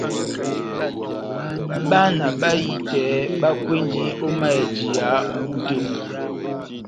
Bana bahitɛ bakwendi ó mayɛjiya mʼbú tɛ́ mú.